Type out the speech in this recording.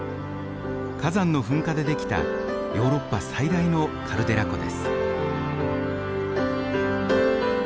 火山の噴火で出来たヨーロッパ最大のカルデラ湖です。